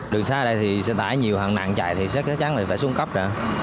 đường xa đây thì xe tải nhiều hàng nạn chạy thì chắc chắn là phải xuống cấp nữa